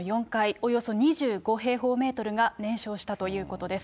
およそ２５平方メートルが燃焼したということです。